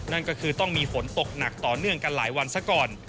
นั่นก็คือต้องมีฝนตกหนักต่อเนื่องกันหลายวันซะก่อน